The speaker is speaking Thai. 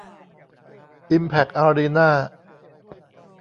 อิมแพ็คอารีน่า